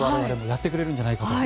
やってくれるんじゃないかと。